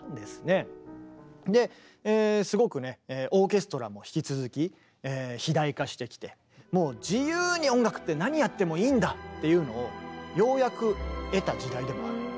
ですごくねオーケストラも引き続き肥大化してきてもう自由に「音楽って何やってもいいんだ！」っていうのをようやく得た時代でもある。